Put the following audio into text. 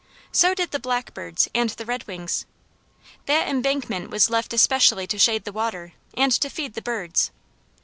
So did the blackbirds and the redwings. That embankment was left especially to shade the water, and to feed the birds.